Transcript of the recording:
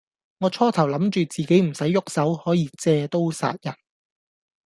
我初頭諗住自己唔使郁手，可以借刀殺人